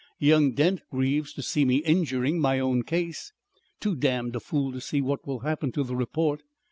Young Dent grieves to see me injuring my own case. Too damned a fool to see what will happen to the report!